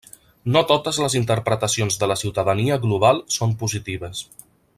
No totes les interpretacions de la ciutadania global són positives.